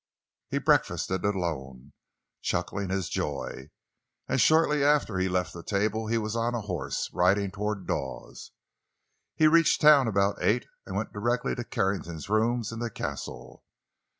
He breakfasted alone—early—chuckling his joy. And shortly after he left the table he was on a horse, riding toward Dawes. He reached town about eight and went directly to Carrington's rooms in the Castle.